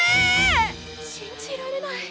信じられない。